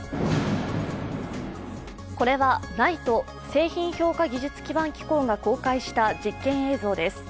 これは、ＮＩＴＥ＝製品評価技術基盤機構が公開した実験映像です。